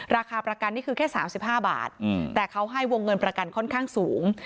ราคาประกันนี่คือแค่๓๕บาทแต่เขาให้วงเงินประกันค่อนข้างสูง